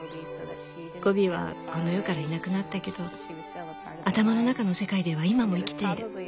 ゴビはこの世からいなくなったけど頭の中の世界では今も生きている。